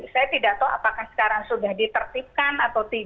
saya tidak tahu apakah sekarang sudah ditertibkan atau tidak